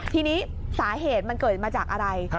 ทีนี้สาเหตุมันเกิดมาจากอะไร